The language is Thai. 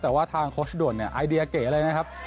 แต่ว่าทางโค้ชด่วนเนี่ยไอเดียเก๋เลยนะครับ